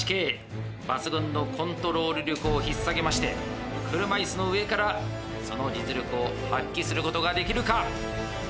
抜群のコントロール力をひっ提げまして車いすの上からその実力を発揮することができるか？